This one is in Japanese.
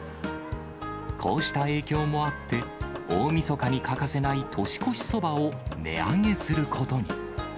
こうした影響もあって、大みそかに欠かせない年越しそばを値上げすることに。